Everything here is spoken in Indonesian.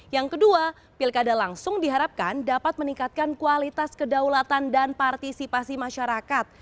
yang kedua pilkada langsung diharapkan dapat meningkatkan kualitas kedaulatan dan partisipasi masyarakat